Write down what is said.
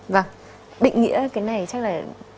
vâng định nghĩa cái này chắc là